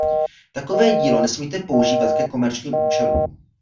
Takové dílo nesmíte používat ke komerčním účelům.